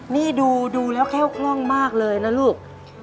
นี่ดูดูแล้วแค่กล้องมากเลยนะลูก